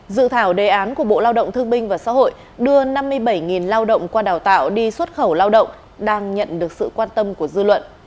dự thảo đề án của bộ lao động thương binh và xã hội đưa năm mươi bảy lao động qua đào tạo đi xuất khẩu lao động đang nhận được sự quan tâm của dư luận